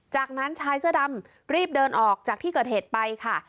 จากนั้นชายเสื้อดำรีบเดินออกจากที่เกิดเหตุไปค่ะ